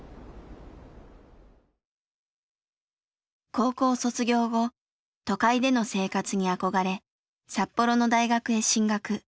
高校卒業後都会での生活に憧れ札幌の大学へ進学。